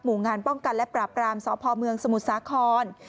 งานป้องกันและปราบรามสพเมืองสมุทรสาคร